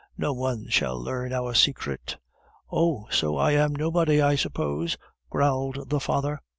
No one shall learn our secret." "Oh! so I am nobody, I suppose," growled the father.